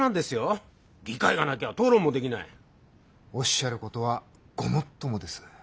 おっしゃることはごもっともです。